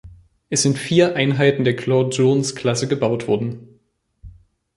Es sind vier Einheiten der "Claud-Jones"-Klasse gebaut worden.